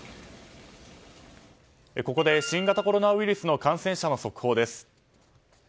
ここで新型コロナウイルスの感染者の速報です。